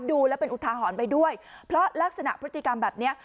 ดูแล้วเป็นอุทาหรณ์ไปด้วยเพราะลักษณะพฤติกรรมแบบเนี้ย